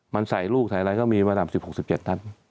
มันใส่ลูกใส่อะไรก็มีระดับ๑๖๑๗ท่าน